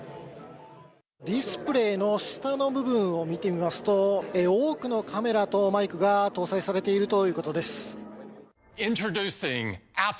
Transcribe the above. ディスプレーの下の部分を見てみますと、多くのカメラとマイクが搭載されているということです。